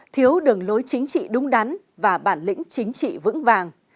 thiếu đường lối chính trị đúng đắn và bản lĩnh chính trị vững vàng